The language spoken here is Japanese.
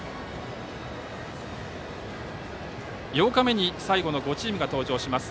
８日目に最後の５チームが登場します。